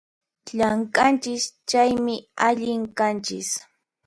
Llamk'anchis chaymi, allin kanchis